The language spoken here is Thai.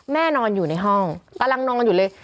นอนอยู่ในห้องกำลังนอนอยู่เลย